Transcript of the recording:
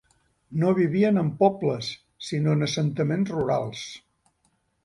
No vivien en pobles, sinó en assentaments rurals.